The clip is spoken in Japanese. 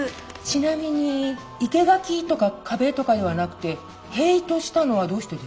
ちなみに生け垣とか壁とかではなくて塀としたのはどうしてですか？